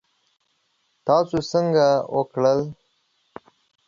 تاسو څنګه وکړل؟